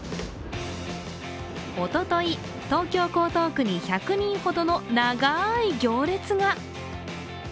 おととい、東京・江東区に１００人ほどの長い行列が。